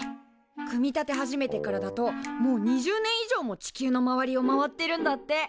組み立て始めてからだともう２０年以上も地球の周りを回ってるんだって。